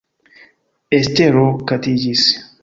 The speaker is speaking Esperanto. Estero katiĝis.